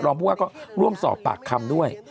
ผู้ว่าก็ร่วมสอบปากคำด้วย